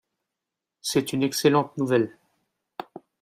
C’est une excellente nouvelle.